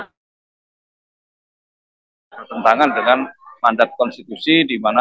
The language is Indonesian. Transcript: bertentangan dengan mandat konstitusi di mana